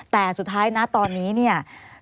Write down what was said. แต่สุดท้ายนะตอนนี้เนี่ย